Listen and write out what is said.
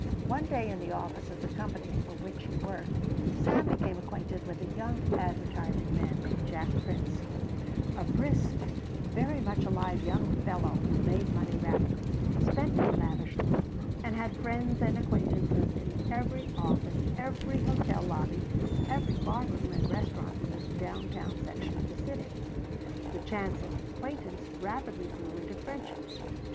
One day in the office of the company for which he worked Sam became acquainted with a young advertising man named Jack Prince, a brisk, very much alive young fellow who made money rapidly, spent it lavishly, and had friends and acquaintances in every office, every hotel lobby, every bar room and restaurant in the down town section of the city. The chance acquaintance rapidly grew into friendship.